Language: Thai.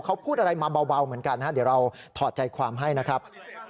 เขาพูดอะไรมาเบาเหมือนกันนะฮะเดี๋ยวเราถอดใจความให้นะครับ